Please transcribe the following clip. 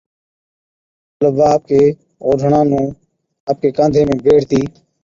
مطلب وا آپڪي اوڍڻا نُون آپڪي ڪانڌي ۾ بيڙھتِي